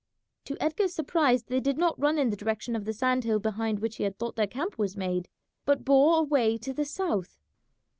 To Edgar's surprise they did not run in the direction of the sand hill behind which he had thought their camp was made, but bore away to the south.